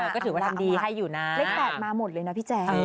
ก็ถือว่าทำดีให้อยู่นะเลข๘มาหมดเลยนะพี่แจ๊ค